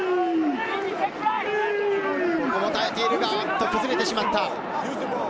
耐えているが、崩れてしまった。